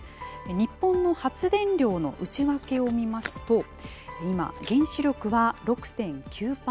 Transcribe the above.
日本の発電量の内訳を見ますと今、原子力は６．９％です。